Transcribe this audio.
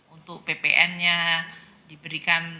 untuk ppn nya diberikan